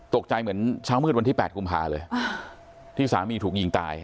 เหมือนเช้ามืดวันที่๘กุมภาเลยที่สามีถูกยิงตาย